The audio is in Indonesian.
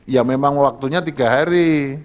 ya memang waktunya tiga hari